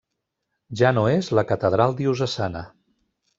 Ja no és la catedral diocesana.